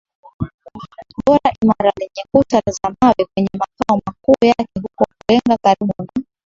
boma imara lenye kuta za mawe kwenye makao makuu yake huko Kalenga karibu na